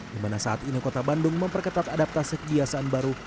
di mana saat ini kota bandung memperketat adaptasi kebiasaan baru